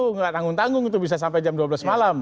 tidak tanggung tanggung itu bisa sampai jam dua belas malam